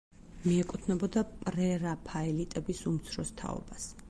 მიეკუთვნებოდა პრერაფაელიტების უმცროს თაობას.